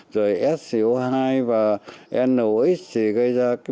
rồi sco hai và nox thì gây ra cái biến đổi khí hậu